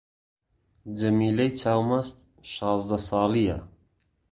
جەمیلەی چاو مەست شازدە ساڵی یە